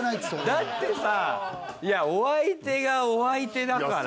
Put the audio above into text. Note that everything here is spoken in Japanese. だってさお相手がお相手だから。